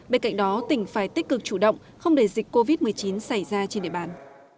bên cạnh đó tỉnh phải tích cực chủ động không để dịch covid một mươi chín xảy ra trên địa bàn